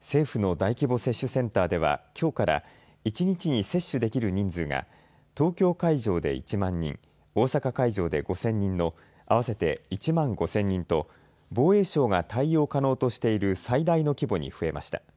政府の大規模接種センターではきょうから一日に接種できる人数が東京会場で１万人、大阪会場で５０００人の合わせて１万５０００人と防衛省が対応可能としている最大の規模に増えました。